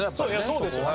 そうですよね。